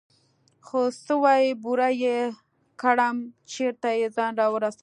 څه سوې بوره يې كړم چېرته يې ځان راورسوه.